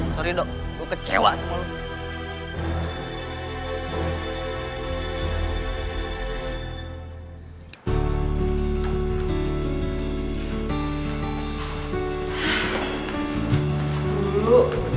sorry dok gue kecewa sama lo